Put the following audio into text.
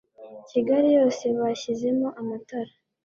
kigali yose bashyizemo amatara